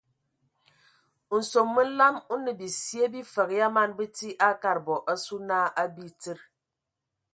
Nsom məlam o nə bisye bifəg ya man bəti a kad bɔ asu na abitsid.